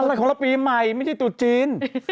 อะไรของเราปีใหม่ไม่ใช่ตรุษจีน